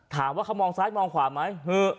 ถามว่าเขามองซ้ายมองขวาไหม